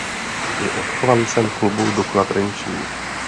Je odchovancem klubu Dukla Trenčín.